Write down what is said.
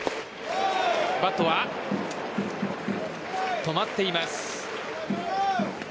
バットは止まっています。